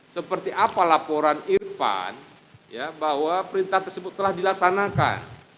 seperti apa laporan irfan bahwa perintah tersebut telah dilaksanakan